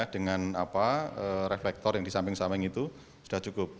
dengan reflektor yang di samping samping itu sudah cukup